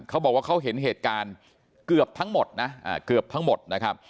เขาบอกว่าเขาเห็นเหตุการณ์เกือบทั้งหมดนะเกือบทั้งหมดนะครับ